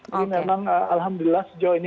jadi memang alhamdulillah sejauh ini